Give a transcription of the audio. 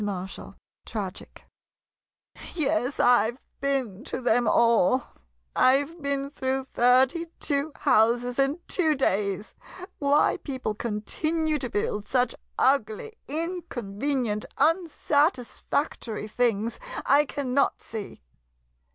Marshall [Tragic] Yes, I 've been to them all ! I 've been through thirty two houses in two days. Why people continue to build such ugly, in convenient, unsatisfactory things, I cannot see.